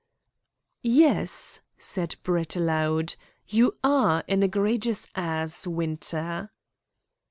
"Yes," said Brett aloud, "you are an egregious ass, Winter."